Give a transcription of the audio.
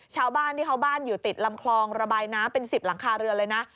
ชาวบ้านที่เขาบ้านอยู่ติดลำคลองระบายน้ำเป็น๑๐หลังคาเรือนเลยนะ